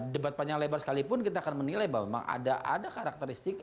debat panjang lebar sekalipun kita akan menilai bahwa memang ada karakteristik